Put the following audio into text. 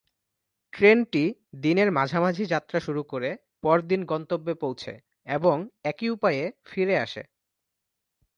ট্রেনটি দিনের মাঝামাঝি যাত্রা শুরু করে পরদিন গন্তব্যে পৌছে এবং একই উপায়ে ফিরে আসে।